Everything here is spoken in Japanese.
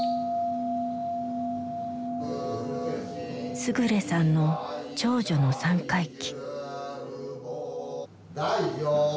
勝さんの長女の三回忌。